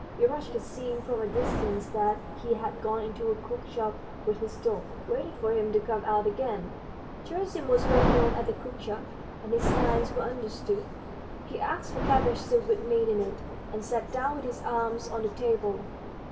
Eroshka, seeing from a distance that he had gone into a cookshop with his dog, waited for him to come out again. Gerasim was well known at the cookshop, and his signs were understood. He asked for cabbage soup with meat in it, and sat down with his arms on the table.